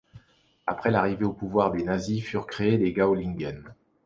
Après l’arrivée au pouvoir des Nazis furent créées les Gauligen.